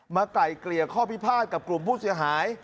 ไกล่เกลี่ยข้อพิพาทกับกลุ่มผู้เสียหาย